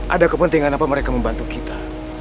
ada kepentingan apa mereka membantu kita